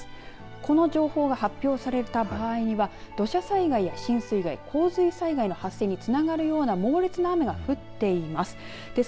この情報が発表された場合には土砂災害や浸水被害洪水災害の発生につながるような猛烈な雨が降っています。